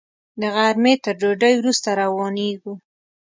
د غرمې تر ډوډۍ وروسته روانېږو.